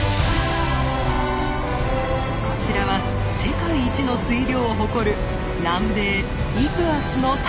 こちらは世界一の水量を誇る南米イグアスの滝。